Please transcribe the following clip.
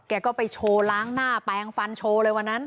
แกก็ไปโชว์ล้างหน้าแปลงฟันโชว์เลยวันนั้น